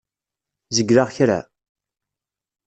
Zegleɣ kra?